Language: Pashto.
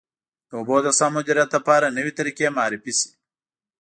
د اوبو د سم مدیریت لپاره نوې طریقې معرفي شي.